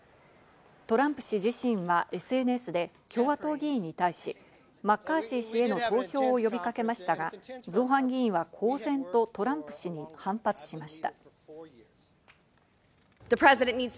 トランプ氏自身はＳＮＳで共和党議員に対し、マッカーシー氏への投票を呼びかけましたが造反議員は公然とトランプ氏に反発しました。